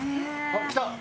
あっ来た！